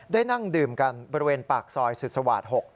นั่งดื่มกันบริเวณปากซอยสุสวาส๖